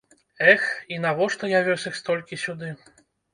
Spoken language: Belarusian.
Эх, і навошта я вёз іх столькі сюды?